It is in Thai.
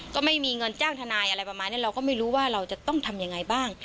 ก็ไม่มีเงินจ้างทนายอะไรประมาณนี้เราก็ไม่รู้ว่าเราจะต้องทำยังไงบ้าง